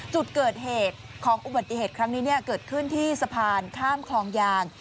จุดเกิดเหตุของอุบัติเหตุครั้งนี้เกิดขึ้นที่สะพานข้ามคลองยาง